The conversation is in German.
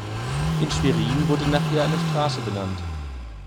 In Schwerin wurde nach ihr eine Straße benannt.